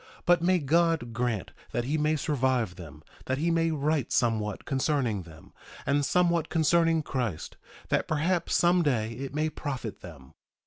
But may God grant that he may survive them, that he may write somewhat concerning them, and somewhat concerning Christ, that perhaps some day it may profit them.